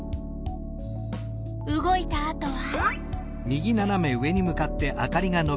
動いたあとは？